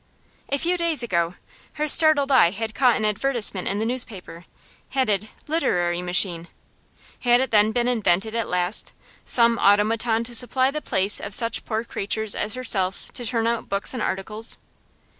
A few days ago her startled eye had caught an advertisement in the newspaper, headed 'Literary Machine'; had it then been invented at last, some automaton to supply the place of such poor creatures as herself to turn out books and articles?